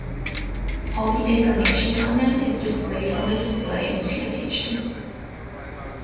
All the information on them is displayed on the display instrumentation.